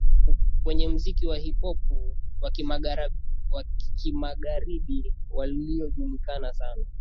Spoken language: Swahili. kwenye muziki wa hip hop wa kimagharibi Walijulikana sana